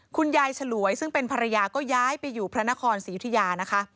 ฉลวยซึ่งเป็นภรรยาก็ย้ายไปอยู่พระนครศรียุธิยานะคะ